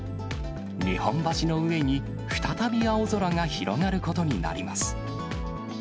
日本橋の上に再び青空が広がることになります。